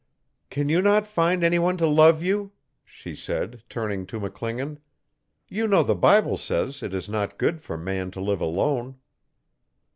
'Can you not find anyone to love you?' she said, turning to McClingan. 'You know the Bible says it is not good for man to live alone.